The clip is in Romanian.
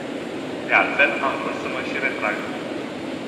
De altfel, am vrut să mă și retrag.